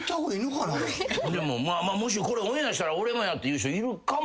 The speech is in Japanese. もしこれオンエアしたら「俺もや」っていう人いるかも。